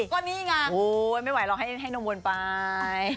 ก็นี่ไงโอ๊ยไม่ไหวเราให้นมวลไป